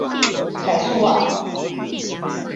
凯苏瓦。